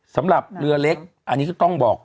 สำหรับเรือเล็กอันนี้ก็ต้องบอก